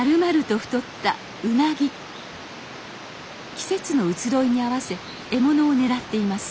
季節の移ろいに合わせ獲物を狙っています